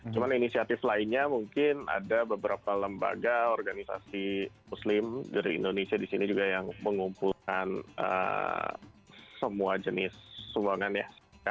cuman inisiatif lainnya mungkin ada beberapa lembaga organisasi muslim dari indonesia di sini juga yang mengumpulkan semua jenis sumbangan ya